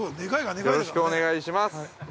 よろしくお願いします。